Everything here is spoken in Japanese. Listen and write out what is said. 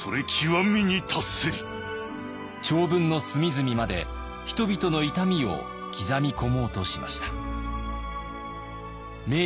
長文の隅々まで人々の痛みを刻み込もうとしました。